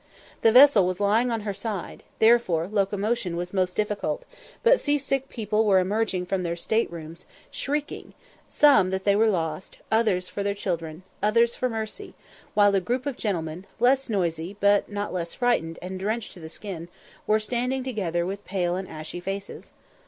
The vessel was lying on her side, therefore locomotion was most difficult; but sea sick people were emerging from their state rooms, shrieking, some that they were lost others for their children others for mercy; while a group of gentlemen, less noisy, but not less frightened, and drenched to the skin, were standing together, with pale and ashy faces.